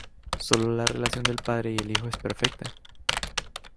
Sólo la relación del padre y el hijo es perfecta.